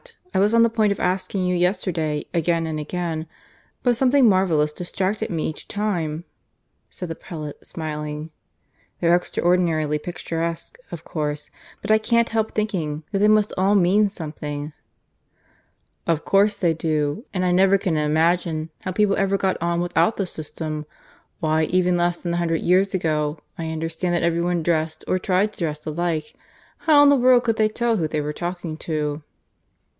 I was on the point of asking you yesterday, again and again, but something marvellous distracted me each time," said the prelate, smiling. "They're extraordinarily picturesque, of course; but I can't help thinking that they must all mean something." "Of course they do. And I never can imagine how people ever got on without the system. Why, even less than a hundred years ago, I understand that every one dressed, or tried to dress alike. How in the world could they tell who they were talking to?"